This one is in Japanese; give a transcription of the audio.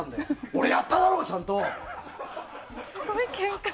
俺やっただろ、ちゃんと！